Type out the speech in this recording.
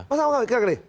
pasalnya sama kira kira nih